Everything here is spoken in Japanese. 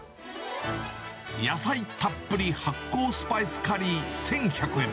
野菜たっぷり発酵スパイスカリー１１００円。